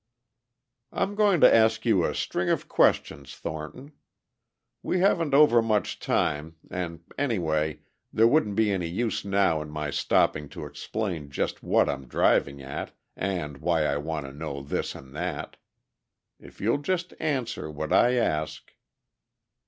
"I'm going to ask you a string of questions, Thornton. We haven't over much time and any way there wouldn't be any use now in my stopping to explain just what I'm driving at and why I want to know this and that. If you'll just answer what I ask..."